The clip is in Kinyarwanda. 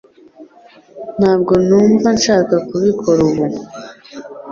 Ntabwo numva nshaka kubikora ubu